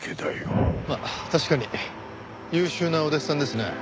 まあ確かに優秀なお弟子さんですね。